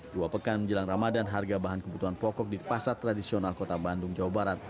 dua pekan menjelang ramadan harga bahan kebutuhan pokok di pasar tradisional kota bandung jawa barat